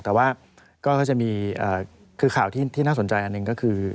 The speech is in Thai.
แต่ว่าก็จะมีคือข่าวที่น่าสนใจอันหนึ่งก็คือ